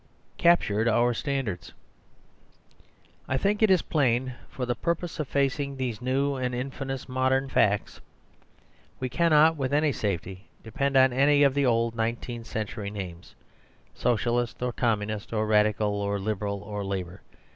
Captured Our Standards I think it is plain that for the purpose of facing these new and infamous modern facts, we cannot, with any safety, depend on any of the old nineteenth century names; Socialist, or Communist, or Radical, or Liberal, or Labour.